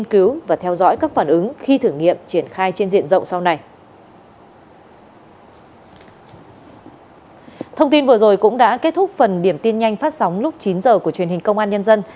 thông tin vừa rồi cũng đã kết thúc phần điểm tin nhanh phát sóng lúc chín h của truyền hình công an nhân dân